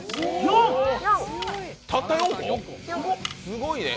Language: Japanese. すごいね。